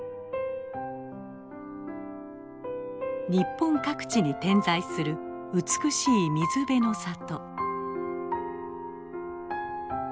ニッポン各地に点在する美しい水辺の里。